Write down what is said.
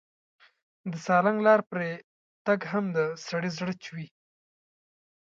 د سالنګ لار پرې تګ هم د سړي زړه چوي.